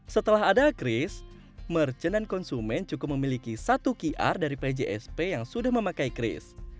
setelah ada cris merchant dan konsumen cukup memiliki satu qr dari pjsp yang sudah memakai cris